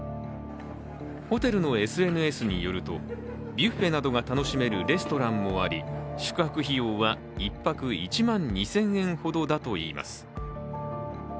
ホテルのＳＮＳによると、ビュッフェなどが楽しめるレストランもあり宿泊費用は１泊１万２０００円ほどだといいます。